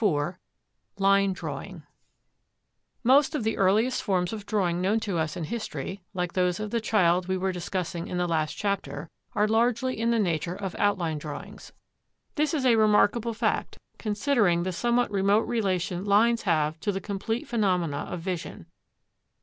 IV LINE DRAWING Most of the earliest forms of drawing known to us in history, like those of the child we were discussing in the last chapter, are largely in the nature of outline drawings. This is a remarkable fact considering the somewhat remote relation lines have to the complete phenomena of vision.